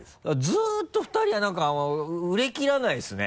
ずっと２人は何か売れきらないですね。